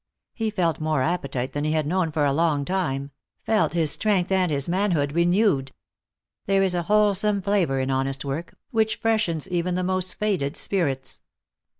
He felt more appetite than he had known for a long time — felt his strength and his manhood renewed. There is a whole some flavour in honest work, which freshens even the mosti. faded spirits.